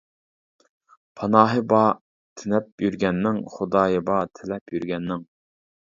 پاناھى بار تېنەپ يۈرگەننىڭ، خۇدايى بار تىلەپ يۈرگەننىڭ.